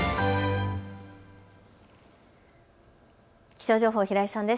気象情報、平井さんです。